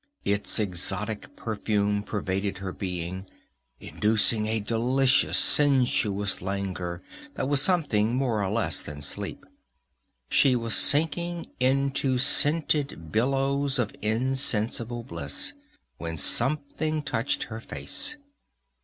Its exotic perfume pervaded her being, inducing a delicious, sensuous languor that was something more and less than sleep. She was sinking into scented billows of insensible bliss, when something touched her face.